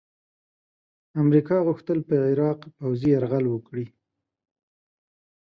امریکا غوښتل په عراق پوځي یرغل وکړي.